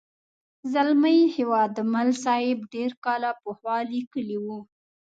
زلمي هیوادمل صاحب ډېر کاله پخوا لیکلې وه.